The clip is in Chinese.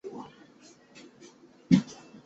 除了绘图之外有的以照片和文字说明呈现。